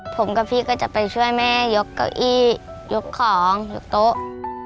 ผมกับพี่ก็จะไปช่วยแม่ยกเก้าอี้ยกของยกโต๊ะ